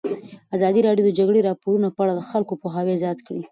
ازادي راډیو د د جګړې راپورونه په اړه د خلکو پوهاوی زیات کړی.